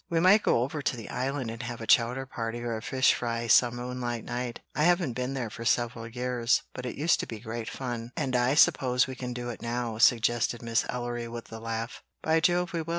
"We might go over to the island and have a chowder party or a fish fry some moonlight night. I haven't been here for several years, but it used to be great fun, and I suppose we can do it now," suggested Miss Ellery with the laugh. "By Jove, we will!